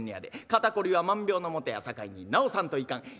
肩凝りは万病のもとやさかいに治さんといかん。